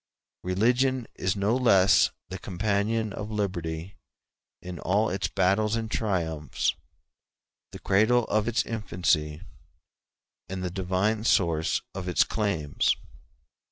Religion is no less the companion of liberty in all its battles and its triumphs; the cradle of its infancy, and the divine source of its claims.